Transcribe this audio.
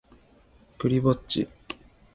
クリぼっち